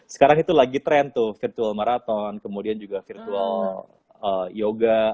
sekarang itu lagi tren tuh virtual marathon kemudian juga virtual yoga